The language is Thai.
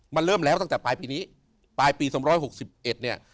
มันเริ่มแล้วตั้งแต่ปลายปีนี้ปลายปี๒๖๑เนี่ย